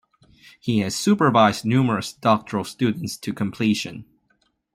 He has supervised numerous doctoral students to completion.